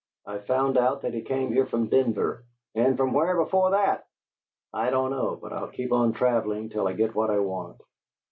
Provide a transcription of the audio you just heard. I've found out that he came here from Denver." "And from where before that?" "I don't know, but I'll keep on travelling till I get what I want."